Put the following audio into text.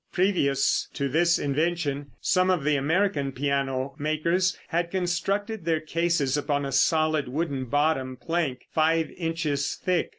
Previous to this invention some of the American piano makers had constructed their cases upon a solid wooden bottom plank five inches thick.